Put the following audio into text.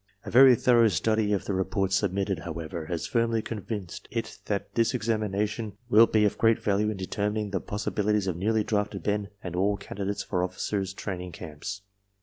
A very thorough study of the re ports submitted, however, has firmly convinced it that this examination will be of great value in determining the possibilities of newly drafted men and all candidates for officers* training camps.